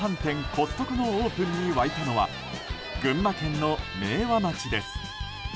コストコのオープンに沸いたのは群馬県の明和町です。